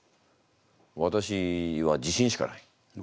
私は自信しかない。